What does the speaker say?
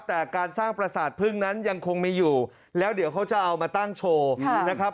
แต่การสร้างประสาทพึ่งนั้นยังคงมีอยู่แล้วเดี๋ยวเขาจะเอามาตั้งโชว์นะครับ